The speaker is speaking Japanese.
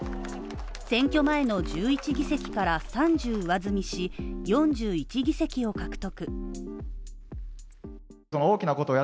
選挙前の１１議席から３０上積みし、４１議席を獲得。